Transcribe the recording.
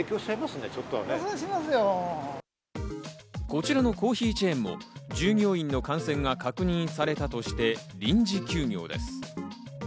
こちらのコーヒーチェーンも従業員の感染が確認されたとして臨時休業です。